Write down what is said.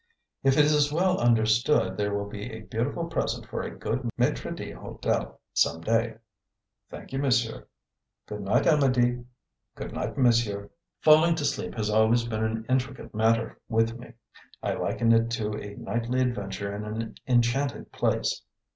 "If it is well understood, there will be a beautiful present for a good maitre d'hotel some day." "Thank you, monsieur." "Good night, Amedee." "Good night, monsieur." Falling to sleep has always been an intricate matter with me: I liken it to a nightly adventure in an enchanted palace.